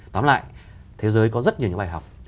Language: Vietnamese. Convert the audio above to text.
tóm lại thế giới có rất nhiều những bài học